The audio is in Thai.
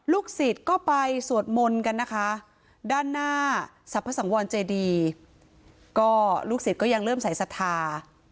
ลูกศิษย์ก็ไปสวรรค์มนตร์กันด้านหน้าศัพท์สังวรเจดีก็ลูกศิษย์ก็อย่างเริ่มสายสทา